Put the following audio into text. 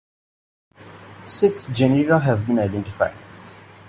Six genera have been identified.